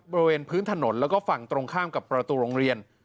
บริเวณพื้นถนนแล้วก็ฝั่งตรงข้ามกับประตูโรงเรียน